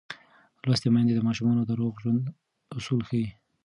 لوستې میندې د ماشومانو د روغ ژوند اصول ښيي.